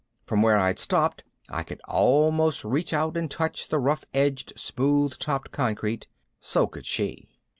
From where I'd stopped I could almost reach out and touch the rough edged smooth topped concrete. So could she.